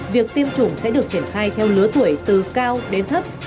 việc tiêm chủng sẽ được triển khai theo lứa tuổi từ cao đến thấp